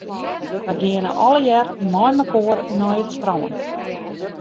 Wy geane allegear meimekoar nei it strân.